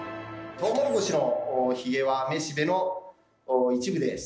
トウモロコシのヒゲはめしべの一部です。